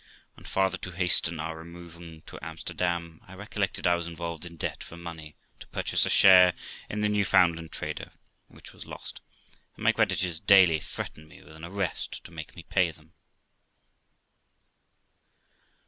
And farther to hasten our removing to Amsterdam, I recollected I was involved in debt for money to purchase a share in the Newfoundland trader, which was lost, and my creditors daily threatened me with an arrest to make me pay them.